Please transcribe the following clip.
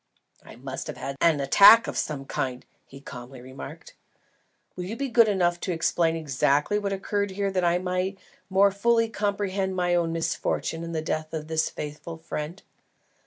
"I must have had an attack of some kind," he calmly remarked. "Will you be good enough to explain exactly what occurred here that I may more fully comprehend my own misfortune and the death of this faithful friend?"